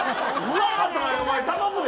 お前、頼むで？